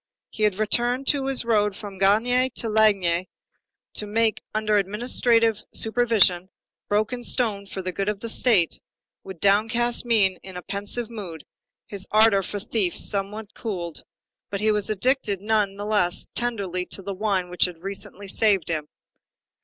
He had returned to his road from Gagny to Lagny, to make, under administrative supervision, broken stone for the good of the state, with downcast mien, in a very pensive mood, his ardor for theft somewhat cooled; but he was addicted nonetheless tenderly to the wine which had recently saved him.